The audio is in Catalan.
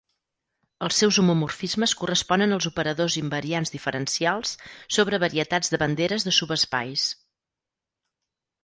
Els seus homomorfismes corresponen als operadors invariants diferencials sobre varietats de banderes de subespais.